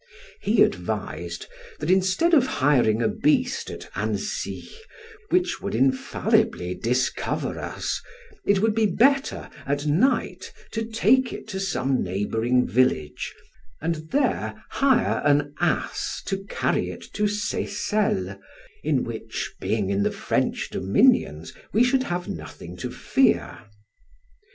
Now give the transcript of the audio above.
He advised, that instead of hiring a beast at Annecy, which would infallibly discover us, it would be better, at night, to take it to some neighboring village, and there hire an ass to carry it to Seyssel, which being in the French dominions, we should have nothing to fear.